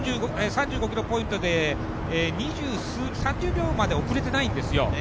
３５ｋｍポイントで３０秒まで後れていないんですよ。